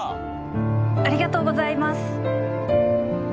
ありがとうございます。